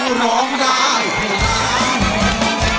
เฟคที่หนึ่งมูลค่า๓๐๐๐บาทนะครับ